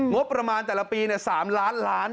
งบประมาณแต่ละปี๓ล้านล้าน